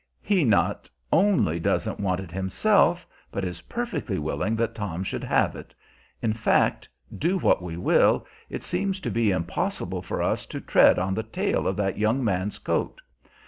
He not only doesn't want it himself, but is perfectly willing that Tom should have it. In fact, do what we will, it seems to be impossible for us to tread on the tail of that young man's coat.